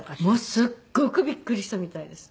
すっごくびっくりしたみたいです。